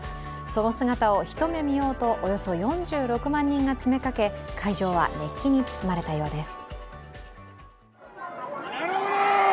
その姿を一目見ようと、およそ４６万人が詰めかけ、会場は熱気に包まれたようです。